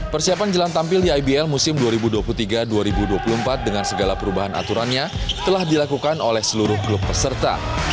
persiapan jelang tampil di ibl musim dua ribu dua puluh tiga dua ribu dua puluh empat dengan segala perubahan aturannya telah dilakukan oleh seluruh klub peserta